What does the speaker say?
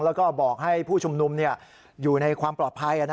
แล้วก็บอกให้ผู้ชุมนุมอยู่ในความปลอดภัย